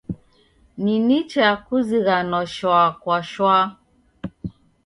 Ni nicha kuzighanwa shwa kwa shwa.